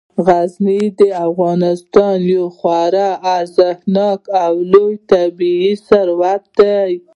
غزني د افغانستان یو خورا ارزښتناک او لوی طبعي ثروت دی.